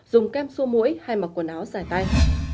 dùng kem xô mũi hay mặc quần áo dài tay